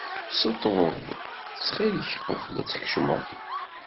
Sṭṭbeb ttxil qbel ad tkecmeḍ.